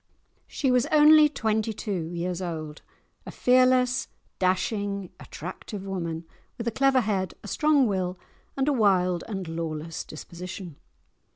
She was only twenty two years old—a fearless, dashing, attractive woman, with a clever head, a strong will, and a wild and lawless disposition.